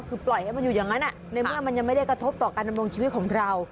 คือปล่อยให้มันอยู่อย่างนั้นในเมื่อมันยังไม่ได้กระทบต่อการดำรงชีวิตของเรา